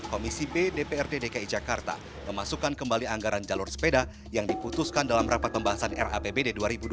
komisi b dprd dki jakarta memasukkan kembali anggaran jalur sepeda yang diputuskan dalam rapat pembahasan rapbd dua ribu dua puluh